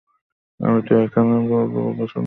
আমি তো এখানে কোনো ভালো পছন্দকে প্রাধান্য দিতে দেখছি না!